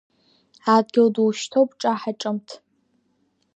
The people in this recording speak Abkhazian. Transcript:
Адгьыл ду шьҭоуп ҿаҳа-ҿымҭ.